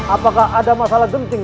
apakah ada masalah denting